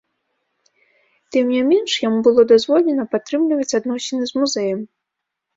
Тым не менш, яму было дазволена падтрымліваць адносіны з музеем.